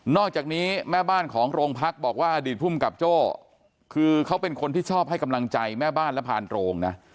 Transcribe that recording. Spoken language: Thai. อกจากนี้แม่บ้านของโรงพักบอกว่าอดีตภูมิกับโจ้คือเขาเป็นคนที่ชอบให้กำลังใจแม่บ้านและพานโรงนะ